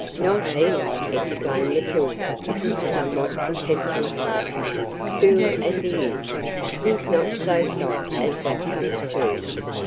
"Not he!" exclaimed Matilda, somewhat contemptuously. "Fool as he is, he's not so soft as that comes to."